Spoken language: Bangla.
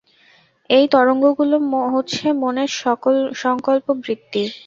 ঐ তরঙ্গগুলোই হচ্ছে মনের সঙ্কল্পবৃত্তি।